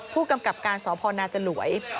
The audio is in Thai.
ผู้กำกับการสพนาจลวย